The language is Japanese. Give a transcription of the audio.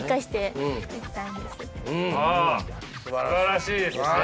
すばらしいですね。